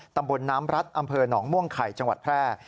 ตำบลน้ำรัฐอำเภอหนองม่วงไข่จังหวัดแพร่